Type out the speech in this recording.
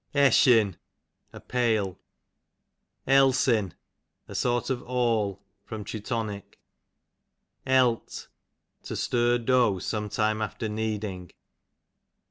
Eshin, a pale. Elsin, a sort of awl. Teu. Elt, to stir dough sometime after kneading.